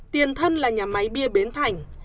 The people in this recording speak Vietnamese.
tiền thân là nhà máy bia bến thành